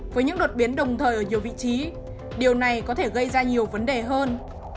với những đột biến đồng thời ở nhiều vị trí điều này có thể gây ra nhiều vấn đề hơn